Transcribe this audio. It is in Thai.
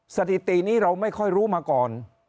สถิตินี้เราไม่ค่อยรู้มาก่อน